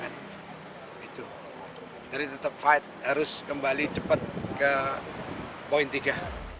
jadi tetap fight harus kembali cepat ke poin tiga